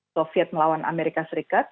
soviet melawan amerika serikat